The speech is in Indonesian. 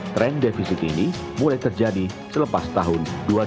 trend defisit ini mulai terjadi selepas tahun dua ribu empat